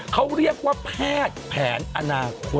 เขาเรียกว่าแพทย์แผนอนาคต